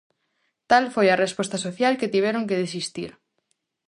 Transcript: Tal foi a resposta social que tiveron que desistir.